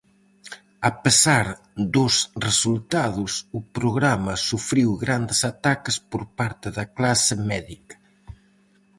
A pesar dos resultados, o programa sufriu grandes ataques por parte da clase médica.